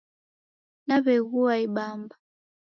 Naw'egua ibamba